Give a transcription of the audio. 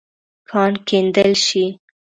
کان کیندل شې.